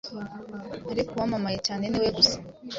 ariko uwamamaye cyane niwe gusa